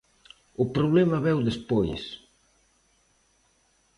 O problema veu despois.